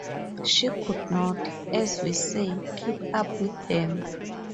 She could not, as we say, keep up with them.